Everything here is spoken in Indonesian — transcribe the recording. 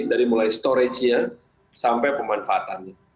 dari mulai storage nya sampai pemanfaatannya